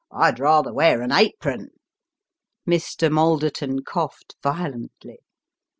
I'd rather wear an apron." Mr. Malderton coughed violently.